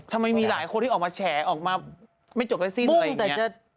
ทำไมมีหลายคนที่ออกมาแชร์ออกมาไม่จบได้สิ้นอะไรอย่างนี้